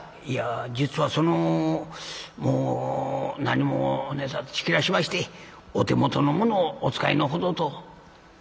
「いや実はそのもう何も切らしましてお手元のものをお使いのほどと」。